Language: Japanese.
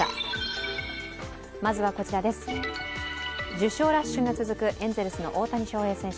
受賞ラッシュが続くエンゼルスの大谷翔平選手。